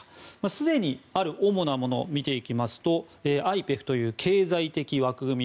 すでにある主なものを見ていきますとＩＰＥＦという経済的枠組み